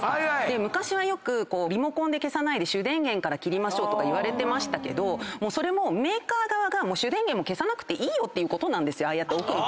昔はリモコンで消さないで主電源から切りましょうとか言われてましたけどそれもメーカー側が主電源もう消さなくていいよっていうことなんですよ。